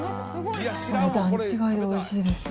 段違いでおいしいです。